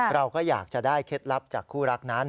เราก็อยากจะได้เคล็ดลับจากคู่รักนั้น